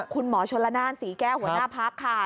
คุณหมอชนละนานศรีแก้วหัวหน้าพักค่ะ